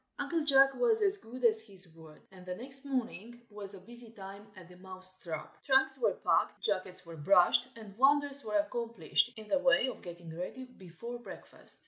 UNCLE JACK was as good as his word, and the next morning was a busy time at the Mouse trap. Trunks were packed, jackets were brushed, and wonders were accomplished in the way of getting ready before breakfast.